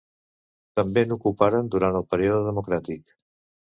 També n'ocuparen durant el període democràtic.